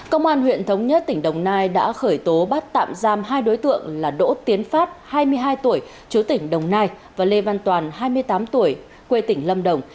công an huyện thống nhất tỉnh đồng nai đã khởi tố bắt tạm giam hai đối tượng là đỗ tiến phát hai mươi hai tuổi chú tỉnh đồng nai và lê văn toàn hai mươi tám tuổi quê tỉnh lâm đồng